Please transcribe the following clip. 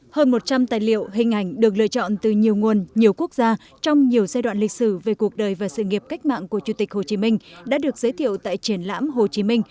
hơn một trăm linh tài liệu hình ảnh được lựa chọn từ nhiều nguồn nhiều quốc gia trong nhiều giai đoạn lịch sử về cuộc đời và sự nghiệp cách mạng của chủ tịch hồ chí minh đã được giới thiệu tại triển lãm hồ chí minh